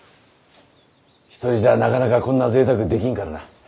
一人じゃなかなかこんな贅沢できんからな。